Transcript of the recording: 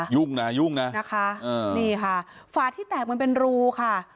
ยุ่งนะยุ่งนะนะคะนี่ค่ะฝาที่แตกมันเป็นรูค่ะ